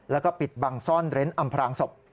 แล้วก็ปิดบังซ่อนเร้นอำพลางศพ